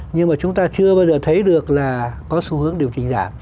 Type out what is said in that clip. nhưng mà chúng ta chưa bao giờ thấy được là có xu hướng điều chỉnh giảm